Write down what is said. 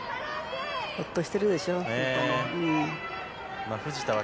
ほっとしてるでしょう藤田も。